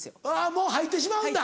もう入ってしまうんだ。